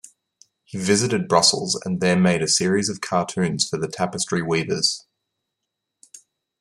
He visited Brussels, and there made a series of cartoons for the tapestry-weavers.